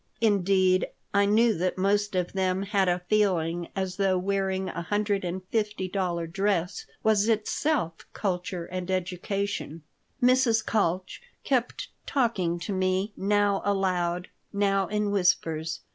Indeed, I knew that most of them had a feeling as though wearing a hundred and fifty dollar dress was in itself culture and education Mrs. Kalch kept talking to me, now aloud, now in whispers.